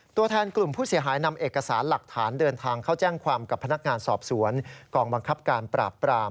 ตัวแทนกลุ่มผู้เสียหายนำเอกสารหลักฐานเดินทางเข้าแจ้งความกับพนักงานสอบสวนกองบังคับการปราบปราม